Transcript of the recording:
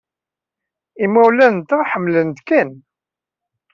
Imawlan-nteɣ ḥemmlen-ken.